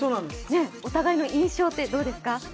お互いの印象って、どうですか？